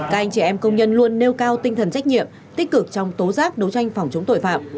các anh trẻ em công nhân luôn nêu cao tinh thần trách nhiệm tích cực trong tố giác đấu tranh phòng chống tội phạm